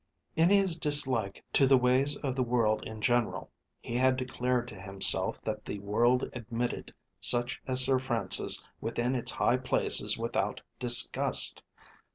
In his dislike to the ways of the world in general he had declared to himself that the world admitted such as Sir Francis within its high places without disgust.